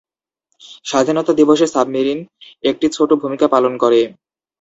স্বাধীনতা দিবসে সাবমেরিন একটি ছোট ভূমিকা পালন করে।